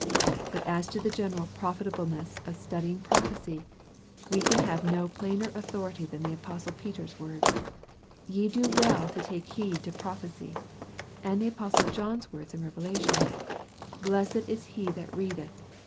But as to the general profitable ness of studying prophecy, we can have no plainer au thority than the apostle Peter's words :" Ye do well that ye take heed to prophecy ;" and the apostle John's words in Revelation :" Blessed is he that readeth."